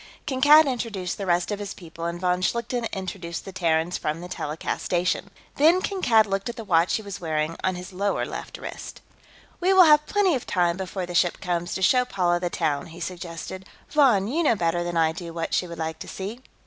Kankad introduced the rest of his people, and von Schlichten introduced the Terrans from the telecast station. Then Kankad looked at the watch he was wearing on his lower left wrist. "We will have plenty of time, before the ship comes, to show Paula the town," he suggested. "Von, you know better than I do what she would like to see."